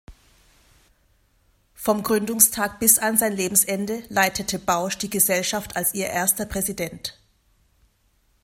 Vom Gründungstag bis an sein Lebensende leitete Bausch die Gesellschaft als ihr erster Präsident.